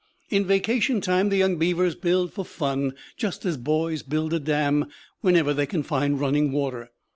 In vacation time the young beavers build for fun, just as boys build a dam wherever they can find running water.